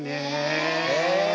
え！